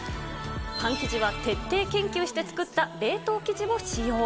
パン生地は徹底研究して作った冷凍生地を使用。